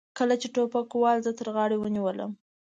کله چې ټوپکوال زه تر غاړې ونیولم.